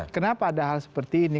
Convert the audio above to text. kenapa ada hal seperti ini